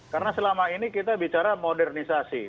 karena selama ini kita bicara modernisasi